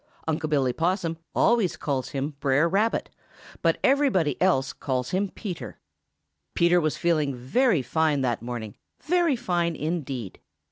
Unc' Billy Possum always calls him Brer Rabbit, but everybody else calls him Peter. Peter was feeling very fine that morning, very fine indeed.